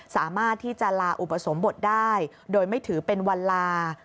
สามารถที่จะลาอุปสมบทได้โดยไม่ถือเป็นวันลา